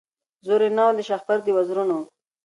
زور یې نه وو د شهپر د وزرونو